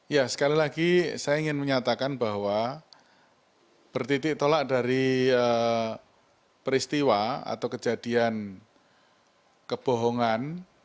ya sekali lagi saya ingin menyatakan bahwa bertitik tolak dari peristiwa atau kejadian kebohongan